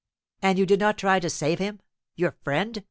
"And you did not try to save him your friend?"